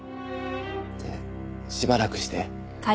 でしばらくして。